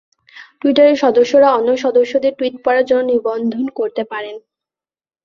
টুইটারের সদস্যরা অন্য সদস্যদের টুইট পড়ার জন্য নিবন্ধন করতে পারেন।